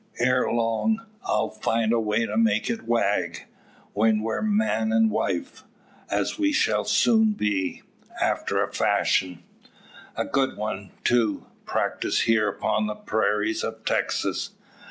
Ere long I'll find a way to make it wag; when we're man and wife, as we shall soon be after a fashion. A good one, too, practised here upon the prairies of Texas.